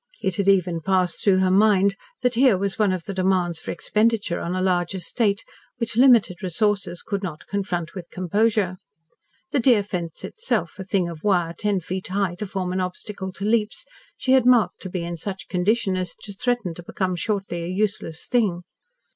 It had even passed through her mind that here was one of the demands for expenditure on a large estate, which limited resources could not confront with composure. The deer fence itself, a thing of wire ten feet high, to form an obstacle to leaps, she had marked to be in such condition as to threaten to become shortly a useless thing.